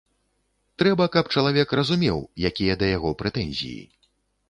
Трэба, каб чалавек разумеў, якія да яго прэтэнзіі.